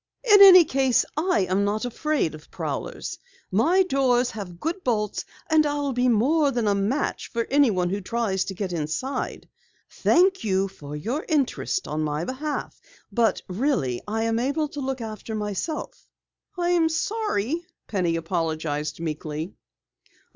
"In any case, I am not afraid of prowlers. My doors have good bolts and I'll be more than a match for anyone who tries to get inside. Thank you for your interest in my behalf, but really, I am able to look after myself." "I'm sorry," Penny apologized meekly.